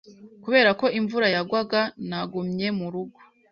Kubera ko imvura yagwaga, nagumye mu rugo.